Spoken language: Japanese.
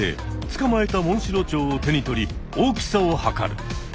つかまえたモンシロチョウを手に取り大きさを測る。